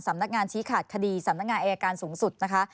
สำนักงานชี้ขาดคดีสำนักงานอายการสูงสุดนะคะ